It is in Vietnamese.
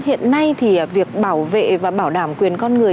hiện nay thì việc bảo vệ và bảo đảm quyền con người